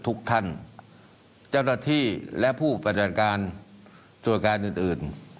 ทุกท่านเจ้าหน้าที่และผู้แผ่นแบรนด์การส่วนการอื่น